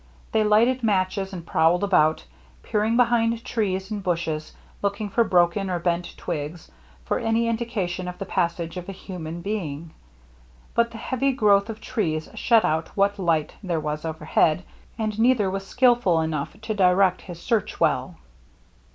They lighted matches and prowled about, peering behind trees and bushes, looking for broken or bent twigs, for any indication of the passage of a human be ing. But the heavy growth of trees shut out what light there was overhead, and neither was skilful enough to direct his search well.